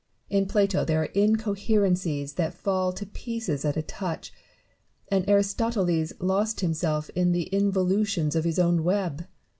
In Plato there are incoherencies that fall to pieces at a touch ; and Aristoteles lost himself in the involutions of his own web.